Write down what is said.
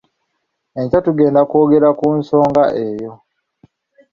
Enkya tugenda kwogera ku nsonga eyo.